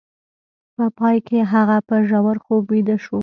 په پای کې هغه په ژور خوب ویده شو